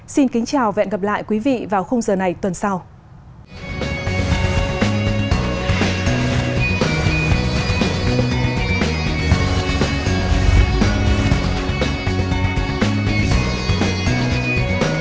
xin kính chào và hẹn gặp lại quý vị vào khung giờ này tuần sau